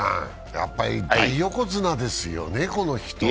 やっぱり大横綱ですよね、この人は。